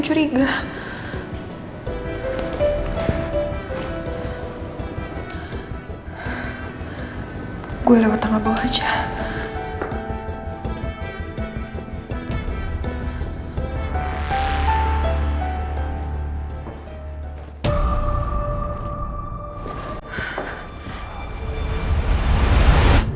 kalau gue keluar nanti gue ketemu al banding sama rendy